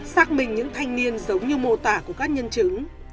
xác minh những thanh niên giống như mô tả của các nhân chứng